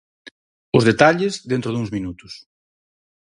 Os detalles, dentro duns minutos.